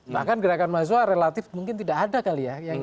bahkan gerakan mahasiswa relatif mungkin tidak ada kali ya